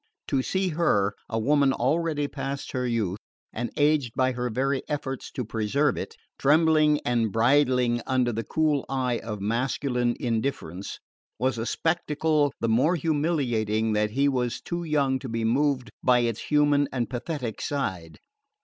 To see her, a woman already past her youth, and aged by her very efforts to preserve it, trembling and bridling under the cool eye of masculine indifference, was a spectacle the more humiliating that he was too young to be moved by its human and pathetic side.